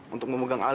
untuk memegang alat